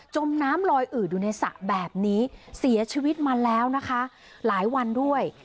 มน้ำลอยอืดอยู่ในสระแบบนี้เสียชีวิตมาแล้วนะคะหลายวันด้วย